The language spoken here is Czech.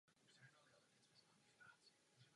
A to je druhá symbolická událost zítřka.